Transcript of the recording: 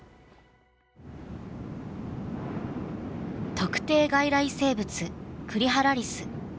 特定外来生物クリハラリス。